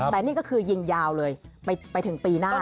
แต่นี่ก็คือยิงยาวเลยไปถึงปีหน้า